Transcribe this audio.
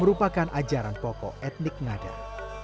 merupakan ajaran pokok etnik ngada